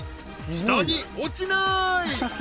下に落ちない！